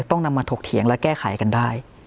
ต้องนำมาถกเถียงและแก้ไขกันได้